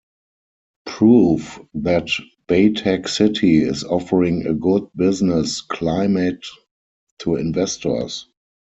Proof that Batac City is offering a good business climate to investors.